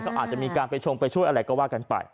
ก็อาจจะมีการไปชงไปช่วยอะไรก็ว่ากันไป